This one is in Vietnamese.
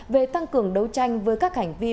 về tăng cường đấu tranh với các hành vi